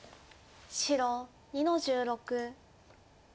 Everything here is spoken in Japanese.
白２の十六。